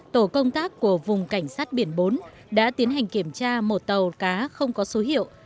tổ công tác của vùng cảnh sát biển bốn đã tiến hành kiểm tra một tàu cá không có số hiệu